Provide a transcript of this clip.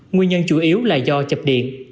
nguyên nhân chủ yếu là do chập điện